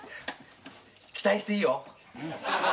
期待していいよ。